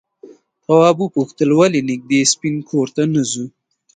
تواب وپوښتل ولې نږدې سپین کور ته نه ځو؟